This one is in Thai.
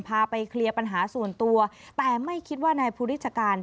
พาไปเคลียร์ปัญหาส่วนตัวแต่ไม่คิดว่านายภูริชการ